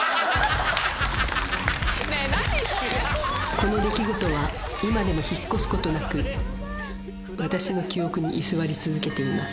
この出来事は今でも引っ越すことなく私の記憶に居座り続けています